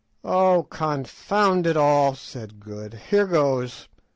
"Oh, confound it all!" said Good; "here goes.